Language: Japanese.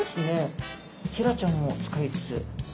へらちゃんも使いつつ。